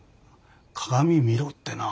鏡見ろってな。